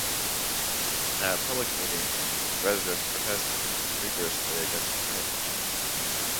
At a public meeting the residents protested vigorously against the change.